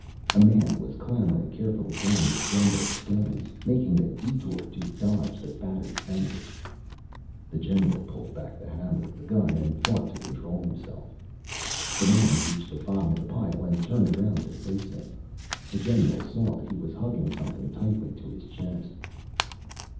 A man was clambering carefully down the jumbled stones, making a detour to dodge the battered fender. The general pulled back the hammer of the gun and fought to control himself. The man reached the bottom of the pile and turned around to face him. The general saw that he was hugging something tightly to his chest.